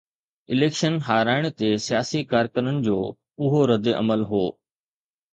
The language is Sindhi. اليڪشن هارائڻ تي سياسي ڪارڪنن جو اهو ردعمل هو.